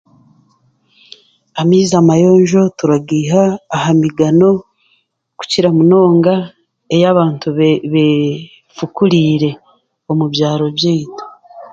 Amaizi amayonjo turagaiha aha migano kukira munonga ei abantu be b'efukuriire omu byaro byaitu